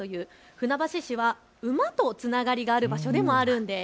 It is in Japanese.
船橋市は馬とつながりがある場所でもあるんです。